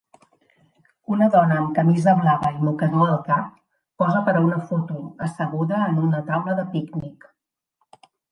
Una dona amb camisa blava i mocador al cap posa per a una foto assegura en una taula de pícnic.